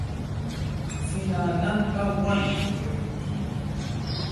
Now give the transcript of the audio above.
sina nanpa wan pi olin mi.